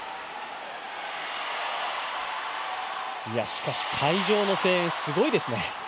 しかし会場の声援すごいですね。